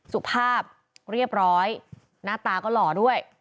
สุภาพเรียบร้อยหน้าตาก็หล่อด้วย